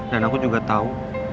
dan aku juga tau